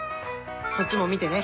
そっちも見てね。